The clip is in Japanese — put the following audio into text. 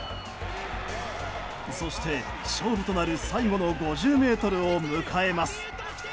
そして、勝負となる最後の５０ｍを迎えます。